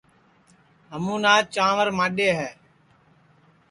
ہمُون آج چانٚوݪ ماڈؔے ہے